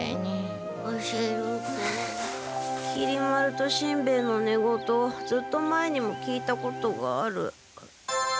きり丸としんべヱの寝言ずっと前にも聞いたことがある。